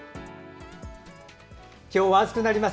今日は暑くなります。